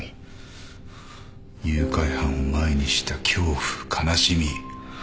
誘拐犯を前にした恐怖悲しみ。